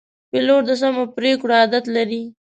پیلوټ د سمو پرېکړو عادت لري.